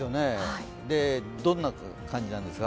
どんな感じなんですか？